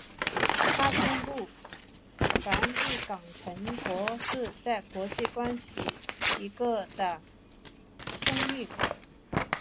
它宣布梵蒂冈城国是在国际关系的一个中立国。